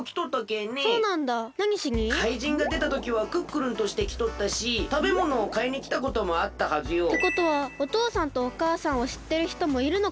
かいじんがでたときはクックルンとしてきとったしたべものをかいにきたこともあったはずよ。ってことはおとうさんとおかあさんをしってるひともいるのかな？